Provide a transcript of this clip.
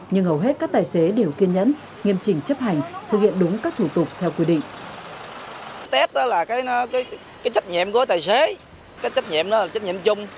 nhưng hầu hết các tài xế đều kiên nhẫn nghiêm trình chấp hành thực hiện đúng các thủ tục theo quy định